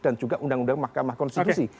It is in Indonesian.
juga undang undang mahkamah konstitusi